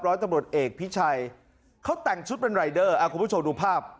ร้อยตำรวจเอกพิชัยเขาแต่งชุดเป็นรายเดอร์คุณผู้ชมดูภาพ